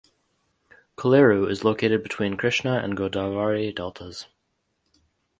Kolleru is located between Krishna and Godavari deltas.